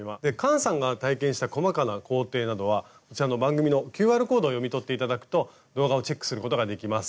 菅さんが体験した細かな工程などはこちらの番組のＱＲコードを読み取って頂くと動画をチェックすることができます。